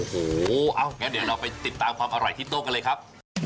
โอ้โหเอางั้นเดี๋ยวเราไปติดตามความอร่อยที่โต๊ะกันเลยครับ